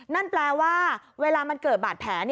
นั่นแปลว่าเวลามันเกิดบาดแผล